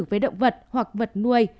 với động vật hoặc vật nuôi